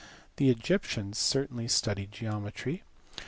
The Egyptians certainly studied geometry.